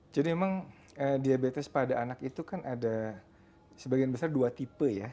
jadi memang diabetes pada anak itu kan ada sebagian besar dua tipe